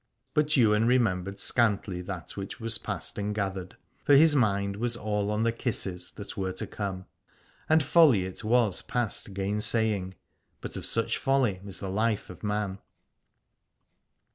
But Ywain remembered scantly that which was past and gathered, for his mind was all on the kisses that were to come : and folly it was past gainsaying, but of such folly is the life of man.